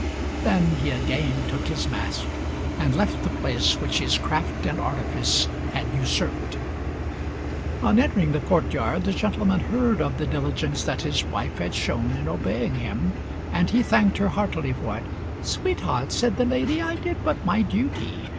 Then he again took his mask and left the place which his craft and artifice had usurped. On entering the courtyard the gentleman heard of the diligence that his wife had shown in obeying him, and he thanked her heartily for it. "Sweetheart," said the lady, "I did but my duty.